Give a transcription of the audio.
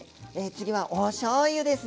次はおしょうゆですね。